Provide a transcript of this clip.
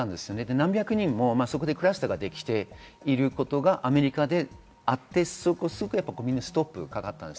何百人もそこでクラスターが出てたことがアメリカであって、それで皆ストップかかったんです。